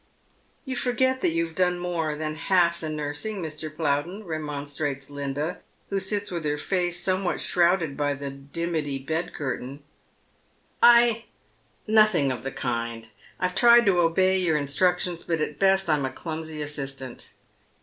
" You forgot that you have done more than half the nursing, Good Samantani. 235 Mr. Plowden," remonstrates Linda, who sits with her face somO' what shrouded by the dimity bed curtain. " I , nothing of the kind. I've tried to obey your instruc tions, but at best I'm a clumsy assistant."